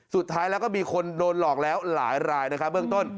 สุดท้ายแล้วก็มีคนโดนหลอกแล้วหลายรายนะครับเบื้องต้น